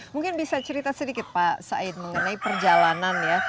mungkin bisa cerita sedikit pak said mengenai perjalanan ya